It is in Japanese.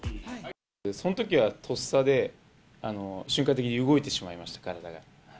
そのときはとっさで、瞬間的に動いてしまいました、体が。